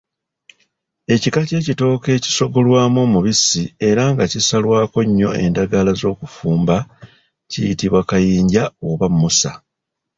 Ekika ky’ekitooke ekisogolwamu omubisi era nga kisalwako nnyo endagala z’okufumba kiyitibwa Kayinja oba Mmusa.